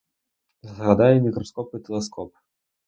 Згадай мікроскоп і телескоп.